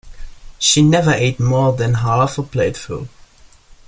She never ate more than half a plateful